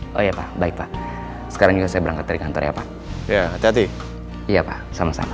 oh ya pak baik pak sekarang juga saya berangkat dari kantor ya pak ya hati hati iya pak sama sama